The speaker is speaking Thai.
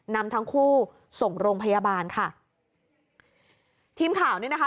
นำทั้งคู่ส่งโรงพยาบาลค่ะทีมข่าวเนี่ยนะคะ